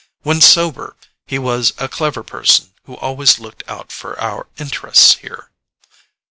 When sober he was a clever person who always looked out for our interests here.